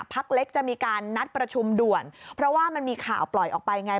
พักเล็กจะมีการนัดประชุมด่วนเพราะว่ามันมีข่าวปล่อยออกไปไง